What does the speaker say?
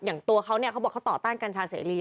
ตัวเขาเนี่ยเขาบอกเขาต่อต้านกัญชาเสรี